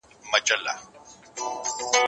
زه هره ورځ لاس پرېولم!.